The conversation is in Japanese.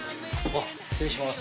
失礼します。